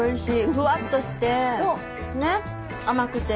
ふわっとして甘くて。